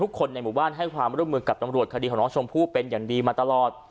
คนในหมู่บ้านให้ความร่วมมือกับตำรวจคดีของน้องชมพู่เป็นอย่างดีมาตลอด